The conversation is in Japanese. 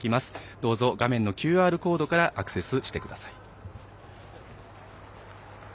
どうぞ画面のＱＲコードからアクセスしてください。